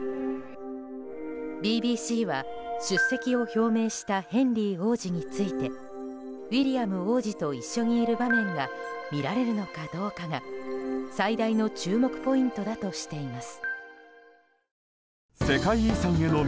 ＢＢＣは出席を表明したヘンリー王子についてウィリアム王子と一緒にいる場面が見られるのかどうかが最大の注目ポイントだとしています。